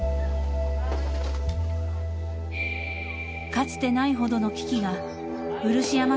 ［かつてないほどの危機がうるしやま